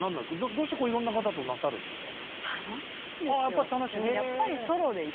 どうしていろんな方となさるんですか？